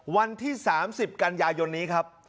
วันที่๓๐กันยายนนี้ครับ